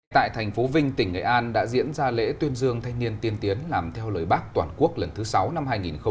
tại thành phố vinh tỉnh nghệ an đã diễn ra lễ tuyên dương thanh niên tiên tiến làm theo lời bác toàn quốc lần thứ sáu năm hai nghìn hai mươi